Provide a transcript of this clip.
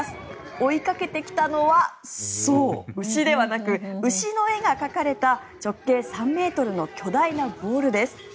追いかけてきたのはそう、牛ではなく牛の絵が描かれた直径３ｍの巨大なボールです。